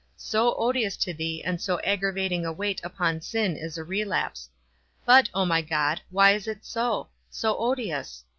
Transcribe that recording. So odious to thee, and so aggravating a weight upon sin is a relapse. But, O my God, why is it so? so odious?